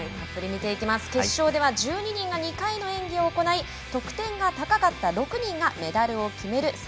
見ていきます、決勝では１２人が２回の演技を行い得点が高かった６人がメダルを決める